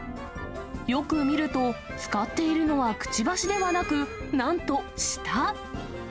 よく見ると、使っているのはくちばしではなく、なんと舌。